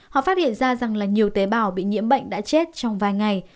họ phát hiện ra rằng là nhiều tế bào bị nhiễm bệnh đã chết trong vài ngày